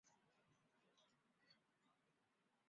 总会所因此成为重新联合的苏格兰教会的总会所。